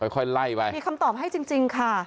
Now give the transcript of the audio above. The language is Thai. ค่อยไล่ไปมีคำตอบให้จริงค่ะ